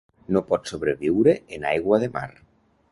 No pot sobreviure en aigua de mar.